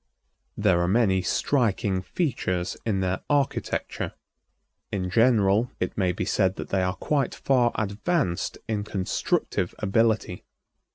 There are many striking features in their architecture. In general, it may be said that they are quite far advanced in constructive ability.